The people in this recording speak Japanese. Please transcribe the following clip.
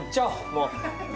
もう。